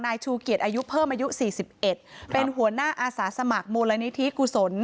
ชูเกียจอายุเพิ่มอายุ๔๑เป็นหัวหน้าอาสาสมัครมูลนิธิกุศล